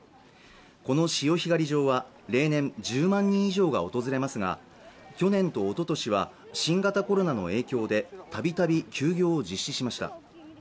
この潮干狩り場は例年１０万人以上が訪れますが去年とおととしは新型コロナの影響でたびたび休業を実施しました